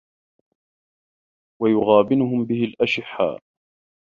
وَيُغَابِنُهُمْ بِهِ الْأَشِحَّاءُ